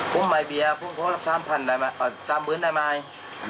พุ่มไม่เบียนพูดว่าสามพันสามเบื้อนได้ไหม